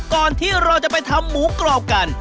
ก่อนที่เราจะไปทำหมูกรอบกัน